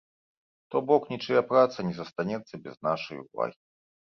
То бок, нічыя праца не застанецца без нашай увагі.